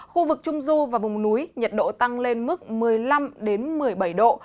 khu vực trung du và vùng núi nhiệt độ tăng lên mức một mươi năm một mươi bảy độ